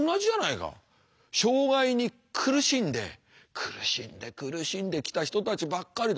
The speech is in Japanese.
障害に苦しんで苦しんで苦しんできた人たちばっかりだ。